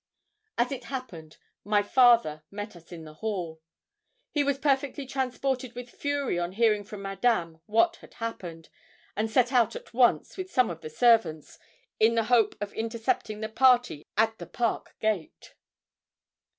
As it happened, my father met us in the hall. He was perfectly transported with fury on hearing from Madame what had happened, and set out at once, with some of the servants, in the hope of intercepting the party at the park gate.